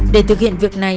để thực hiện việc này